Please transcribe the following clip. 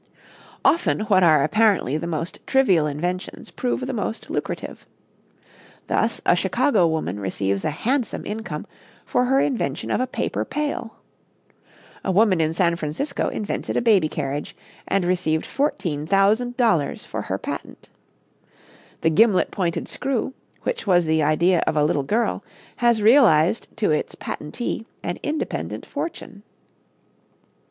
Often what are apparently the most trivial inventions prove the most lucrative. Thus, a Chicago woman receives a handsome income for her invention of a paper pail. A woman in San Francisco invented a baby carriage, and received fourteen thousand dollars for her patent. The gimlet pointed screw, which was the idea of a little girl, has realized to its patentee an independent fortune.